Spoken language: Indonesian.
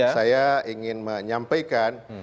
saya ingin menyampaikan